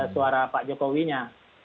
suara pak jokowi nya